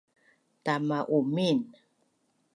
Tama Umin